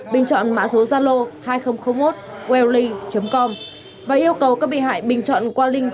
bình chọn mã số gia lô hai nghìn một welly com và yêu cầu các bị hại bình chọn qua link